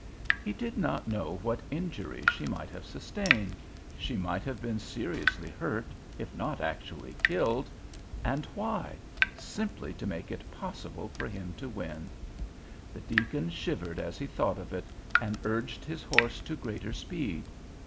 He did not know what injury she might have sustained; She might have been seriously hurt, if not actually killed. And why? Simply to make it possible for him to win. The deacon shivered as he thought of it, and urged his horse to greater speed.